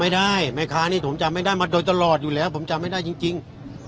แม่ค้านี่ผมจำไม่ได้มาโดยตลอดอยู่แล้วผมจำไม่ได้จริง